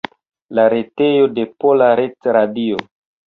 La retejo de Pola Retradio.